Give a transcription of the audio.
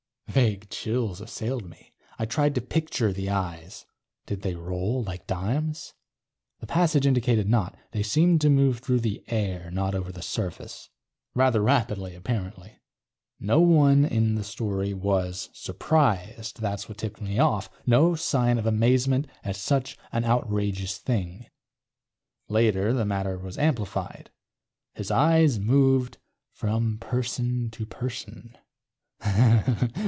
_ Vague chills assailed me. I tried to picture the eyes. Did they roll like dimes? The passage indicated not; they seemed to move through the air, not over the surface. Rather rapidly, apparently. No one in the story was surprised. That's what tipped me off. No sign of amazement at such an outrageous thing. Later the matter was amplified. _... his eyes moved from person to person.